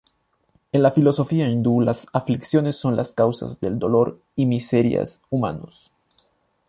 En la filosofía hindú las aflicciones son las causas del dolor y miseria humanos.